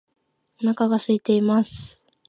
お腹が空いています